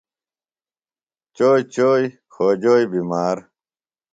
چوئی چوئی کھوجوئی بِمار